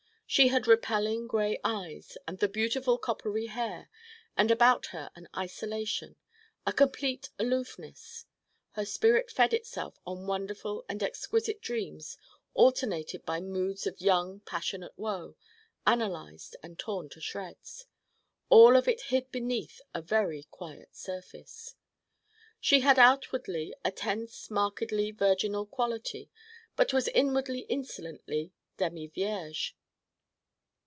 She had repelling gray eyes and the beautiful coppery hair, and about her an isolation, a complete aloofness. Her spirit fed itself on wonderful and exquisite dreams alternated by moods of young passionate woe, analyzed and torn to shreds: all of it hid beneath a very quiet surface. She had outwardly a tense markedly virginal quality but was inwardly insolently demi vierge.